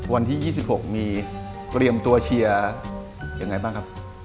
วันที่๒๖มีเตรียมตัวเชียร์ยังไงบ้างครับ